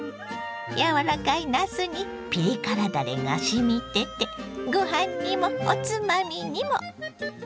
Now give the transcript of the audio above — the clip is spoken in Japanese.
やわらかいなすにピリ辛だれがしみててご飯にもおつまみにも！